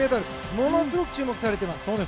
ものすごく注目されています。